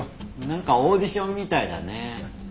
なんかオーディションみたいだね。